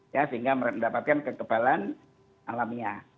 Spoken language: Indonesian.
ya sehingga mendapatkan kekebalan alamiah